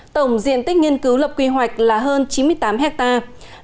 tổng diện tích nghiên cứu lập quy hoạch là hơn chín mươi tám hectare